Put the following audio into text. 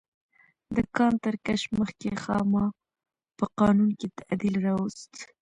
د کان تر کشف مخکې خاما په قانون کې تعدیل راوست.